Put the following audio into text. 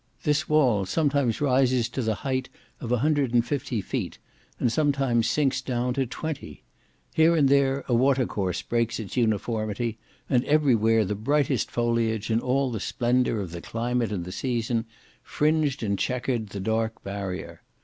This wall sometimes rises to the height of a hundred and fifty feet, and sometimes sinks down to twenty. Here and there, a watercourse breaks its uniformity; and every where the brightest foliage, in all the splendour of the climate and the season, fringed and chequered the dark barrier.